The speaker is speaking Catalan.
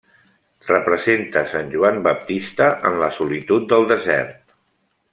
Representa sant Joan Baptista en la solitud del desert.